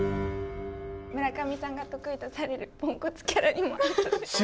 「村上さんが得意とされるポンコツキャラにも合いそう」。